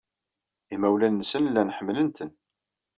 Imawlan-nsen llan ḥemmlen-ten.